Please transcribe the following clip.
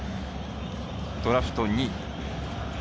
ドラフト２位。